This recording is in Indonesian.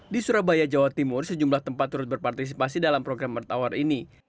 di surabaya jawa timur sejumlah tempat turut berpartisipasi dalam program earth hour ini